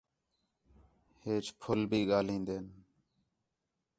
ہیچ پُھل بھی ڳاہلین٘دِن